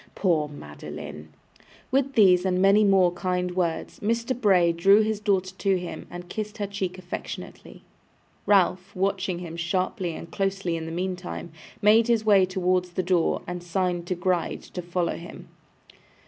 Poor Madeline!' With these and many more kind words, Mr. Bray drew his daughter to him and kissed her cheek affectionately. Ralph, watching him sharply and closely in the meantime, made his way towards the door, and signed to Gride to follow him.